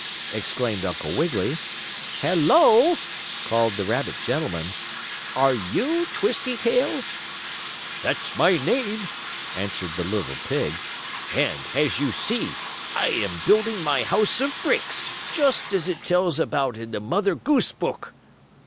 exclaimed Uncle Wiggily. "Hello!" called the rabbit gentleman. "Are you Twisty Tail?" "That's my name," answered the little pig, "and, as you see, I am building my house of bricks, just as it tells about in the Mother Goose book."